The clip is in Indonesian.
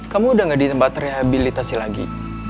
kamu udah gak di tempat rehabilitasi lagi